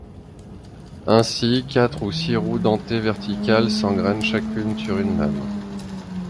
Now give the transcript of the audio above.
Ainsi, quatre ou six roues dentées verticales s'engrènent chacune sur une lame.